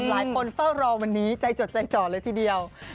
เฝ้ารอวันนี้ใจจดใจจ่อเลยทีเดียว